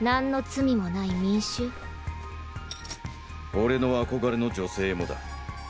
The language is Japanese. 俺の憧れの女性もだ。